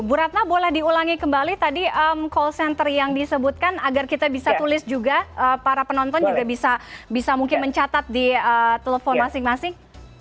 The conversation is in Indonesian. bu ratna boleh diulangi kembali tadi call center yang disebutkan agar kita bisa tulis juga para penonton juga bisa mungkin mencatat di telepon masing masing